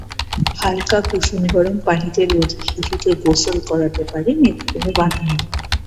—হালকা কুসুম গরম পানিতে রোজই শিশুকে গোসল করাতে পারেন, এতে কোনো বাধা নেই।